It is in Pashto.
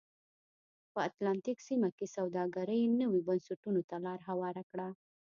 په اتلانتیک سیمه کې سوداګرۍ نویو بنسټونو ته لار هواره کړه.